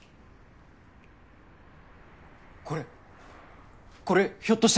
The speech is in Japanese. これこれひょっとして。